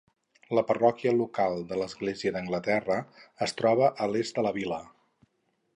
La parròquia local de l'Església d'Anglaterra es troba a l'est de la vil·la.